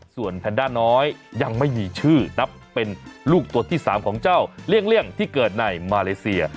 ส่วนแพนด้าน้อยยังไม่มีชื่อนับเป็นลูกตัวที่๓ของเจ้าเลี่ยงที่เกิดในมาเลเซีย